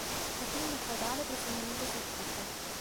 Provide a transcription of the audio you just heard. La pinna caudale è profondamente forcuta..